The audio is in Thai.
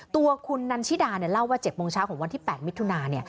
ตัวคุณนันชิดาเล่าว่า๗โมงเช้าวันที่๘มิถุนายน